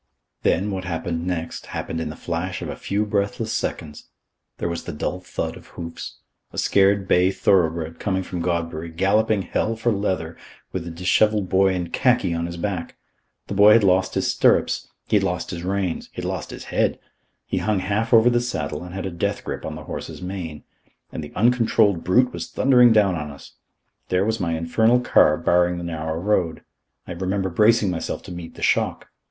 Then, what happened next, happened in the flash of a few breathless seconds. There was the dull thud of hoofs. A scared bay thoroughbred, coming from Godbury, galloping hell for leather, with a dishevelled boy in khaki on his back. The boy had lost his stirrups; he had lost his reins; he had lost his head. He hung half over the saddle and had a death grip on the horse's mane. And the uncontrolled brute was thundering down on us. There was my infernal car barring the narrow road. I remember bracing myself to meet the shock.